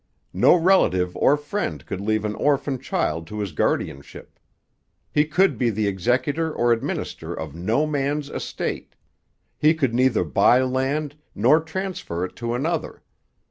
No relative or friend could leave an orphan child to his guardianship. He could be the executor or administrator of no man's estate. He could neither buy land nor transfer it to another.